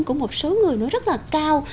của một số người nó rất là cao